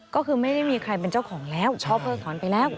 ก็คือไม่ได้มีใครเป็นเจ้าของแล้วเพราะเพิ่งถอนไปแล้ว